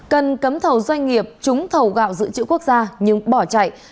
cần cấm thầu doanh nghiệp trúng thầu gạo dự trữ quốc gia nhưng bỏ chạy